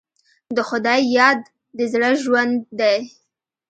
د خدای یاد د زړه ژوند دی.